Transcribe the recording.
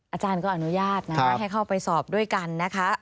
อาจารย์ก็อนุญาตนะให้เข้าไปสอบด้วยกันนะคะ